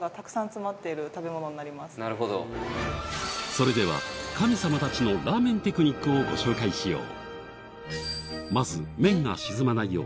それでは神様たちのラーメンテクニックをご紹介しよう